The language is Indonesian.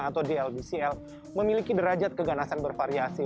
atau dlbcl memiliki derajat keganasan bervariasi